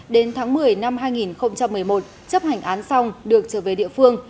đến tháng một mươi năm hai nghìn một mươi một chấp hành án xong được trở về địa phương